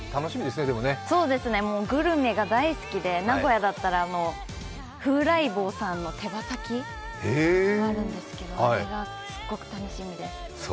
グルメが楽しみで、名古屋だったら風来坊さんの手羽先あるんですけど、あれがすっごく楽しみです。